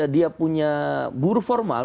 dia punya buru formal